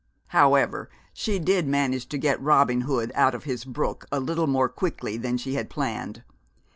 However, she did manage to get Robin Hood out of his brook a little more quickly than she had planned.